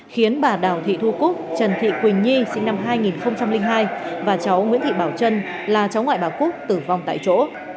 khiến bà đào thị thu cúc trần thị quỳnh nhi sinh năm hai nghìn hai và cháu nguyễn thị bảo trân là cháu ngoại bà cúc tử vong tại chỗ